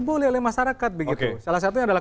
boleh oleh masyarakat begitu salah satunya adalah